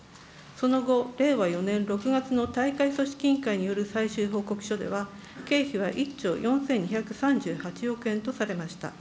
その後、令和４年６月の大会組織委員会による最終報告書では、経費は１兆４２３８億円とされました。